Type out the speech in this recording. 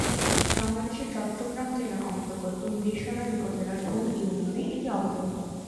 বাংলাদেশের চট্টগ্রাম জেলার অন্তর্গত মীরসরাই উপজেলার ধুম ইউনিয়নে এটি অবস্থিত।